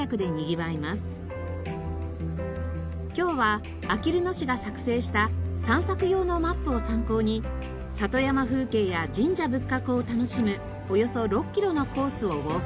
今日はあきる野市が作成した散策用のマップを参考に里山風景や神社仏閣を楽しむおよそ６キロのコースをウォーキング。